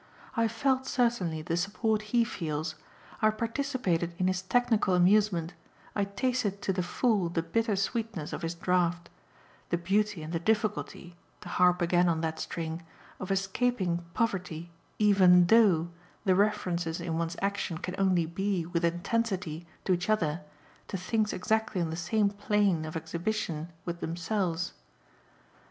I felt, certainly, the support he feels, I participated in his technical amusement, I tasted to the full the bitter sweetness of his draught the beauty and the difficulty (to harp again on that string) of escaping poverty EVEN THOUGH the references in one's action can only be, with intensity, to each other, to things exactly on the same plane of exhibition with themselves.